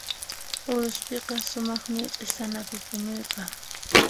Uruspiqa sumaqmi q'isanapi puñuyqa.